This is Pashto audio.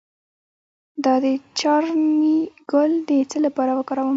د دارچینی ګل د څه لپاره وکاروم؟